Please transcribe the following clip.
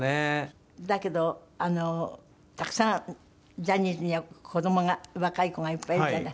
だけどたくさんジャニーズには子どもが若い子がいっぱいいるじゃない。